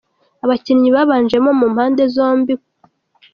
Abakinnyi babanjemo ku mpande zombi :.